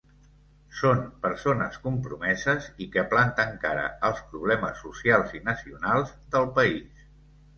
Són persones compromeses i que planten cara als problemes socials i nacionals del país.